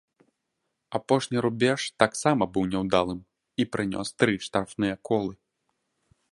Апошні рубеж таксама быў няўдалым і прынёс тры штрафныя колы.